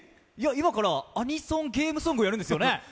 今からアニソン、ゲームソングやるんですよね？